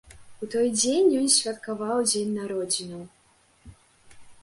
У той дзень ён святкаваў дзень народзінаў.